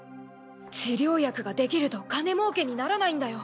治療薬ができると金もうけにならないんだよ。